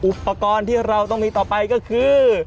อุปกรณ์ที่เราต้องมีต่อไปก็คือ